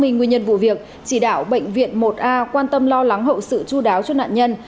nguyên nhân vụ việc chỉ đạo bệnh viện một a quan tâm lo lắng hậu sự chú đáo cho nạn nhân